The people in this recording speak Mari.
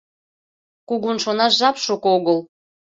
— Кугун шонаш жап шуко огыл.